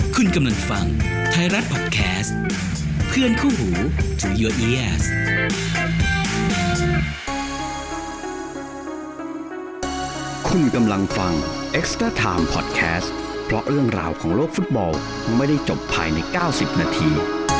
คุณกำลังฟังไทยรัฐพอดแคสต์เพื่อนคู่หูที่คุณกำลังฟังพอดแคสต์เพราะเรื่องราวของโลกฟุตบอลไม่ได้จบภายใน๙๐นาที